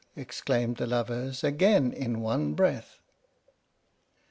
" exclaimed the lovers, again in one breath.